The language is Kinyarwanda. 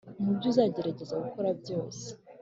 mu byo uzagerageza gukora byose,